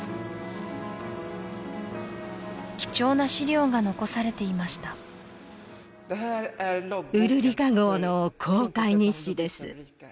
貴重な資料が残されていましたウルリカ号の航海日誌です